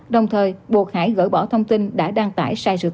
đồng thời buộc hải gỡ bỏ thông tin đã đăng tải sai sự thật